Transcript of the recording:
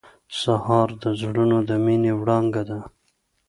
سهار د زړونو د مینې وړانګه ده.